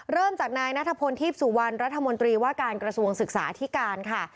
เริ่มจากนายนัทพลทีพสุวรรณรัฐมนตรีว่าการกระทรวงศึกษาที่การค่ะ